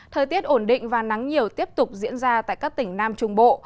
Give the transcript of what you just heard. thời tiết ổn định và nắng nhiều tiếp tục diễn ra tại các tỉnh nam trung bộ